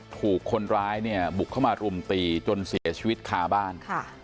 ถูกคนร้ายเนี่ยบุกเข้ามารุมตีจนเสียชีวิตคาบ้าน